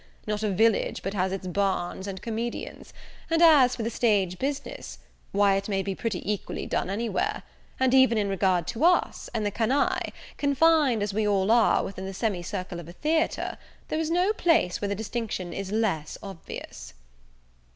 Not a village but has its barns and comedians; and as for the stage business, why it may be pretty equally done any where; and even in regard to us, and the canaille, confined as we all are within the semi circle of a theatre, there is no place where the distinction is less obvious."